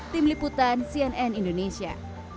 tim liputan cnn indonesia